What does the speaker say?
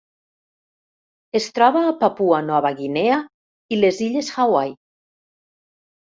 Es troba a Papua Nova Guinea i les illes Hawaii.